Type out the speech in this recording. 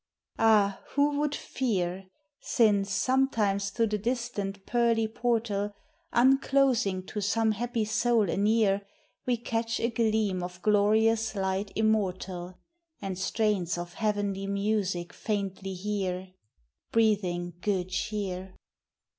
" Ah, who would fear?" Since, sometimes through the distant pearly por tal, Unclosing to some happy soul a near, We catch a gleam of glorious light immortal, And strains of heavenly music faintly hear, Breathing good cheer!